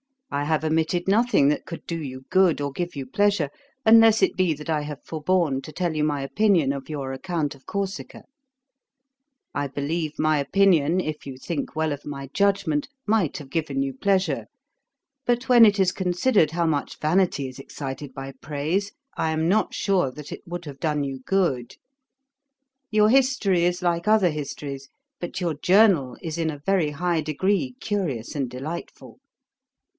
I have omitted nothing that could do you good, or give you pleasure, unless it be that I have forborne to tell you my opinion of your Account of Corsica. I believe my opinion, if you think well of my judgement, might have given you pleasure; but when it is considered how much vanity is excited by praise, I am not sure that it would have done you good. Your History is like other histories, but your Journal is in a very high degree curious and delightful.